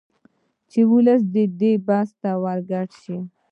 چې ولس دې بحث ته ورګډ شي